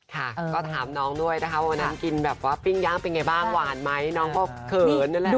ค่ะก็ถามน้องด้วยนะคะวันนั้นกินแบบว่าปิ้งย่างเป็นไงบ้างหวานไหมน้องก็เขินนั่นแหละ